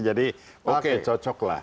jadi oke cocok lah